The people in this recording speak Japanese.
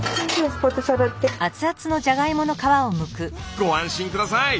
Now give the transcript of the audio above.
ご安心下さい！